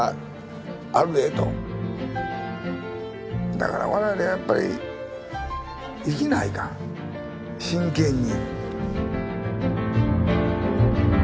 だから我々はやっぱり生きないかん真剣に。